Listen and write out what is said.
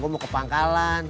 gue mau ke pangkalan